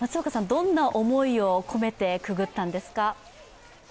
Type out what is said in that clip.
どんな思いを込めてくぐったんですか？